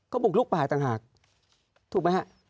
ก็บุกลุกป่าต่างหากถูกไหมฮะ